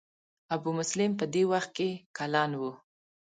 ابو مسلم په دې وخت کې کلن و.